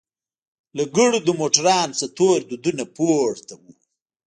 له ګردو موټرانوڅخه تور دودونه پورته وو.